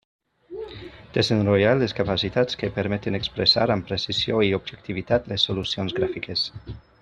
Desenrotllar les capacitats que permeten expressar amb precisió i objectivitat les solucions gràfiques.